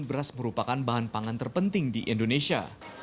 beras merupakan bahan pangan terpenting di indonesia